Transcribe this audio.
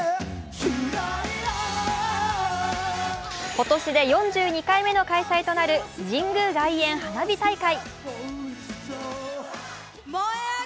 今年で４２回目の開催となる神宮外苑花火大会。